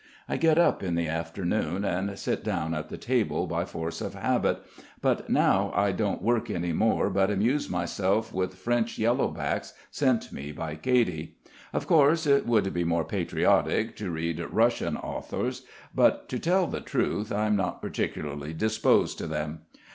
I get up in the afternoon, and sit down at the table by force of habit, but now I don't work any more but amuse myself with French yellow backs sent me by Katy. Of course it would be more patriotic to read Russian authors, but to tell the truth I'm not particularly disposed to them.